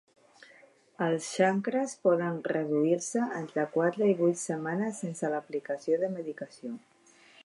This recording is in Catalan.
Els xancres poden reduir-se entre quatre i vuit setmanes sense l'aplicació de medicació.